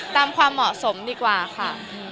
ความเหมาะสมดีกว่าค่ะ